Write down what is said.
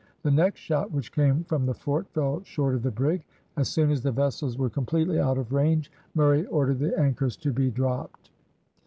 The next shot which came from the fort, fell short of the brig. As soon as the vessels were completely out of range, Murray ordered the anchors to be dropped.